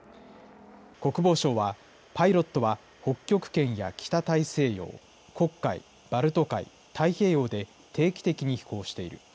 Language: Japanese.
国防省はパイロットは北極圏や北大西洋、黒海、バルト海、太平洋で定期的に飛行している。